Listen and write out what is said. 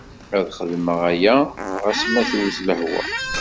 Ad xedmeɣ aya ɣas ma twet lehwa.